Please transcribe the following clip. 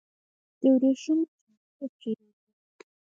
د ورېښمو چینجي پکې روزي.